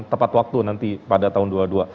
tepat waktu nanti pada tahun dua puluh dua